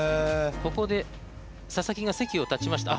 ここで佐々木が席を立ちました。